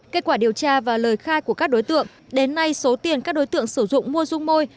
kết quả điều tra và lời khai của các đối tượng đến nay số tiền các đối tượng sử dụng mua dung môi